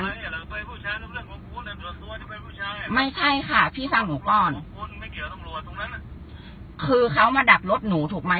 ก็ไม่เป็นไรเพื่อนหนูไปกับผู้ชาย